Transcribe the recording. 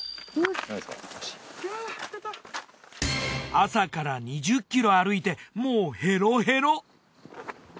朝から２０ｋｍ歩いてもうヘロヘロ。